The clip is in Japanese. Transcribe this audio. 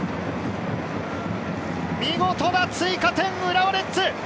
見事な追加点、浦和レッズ。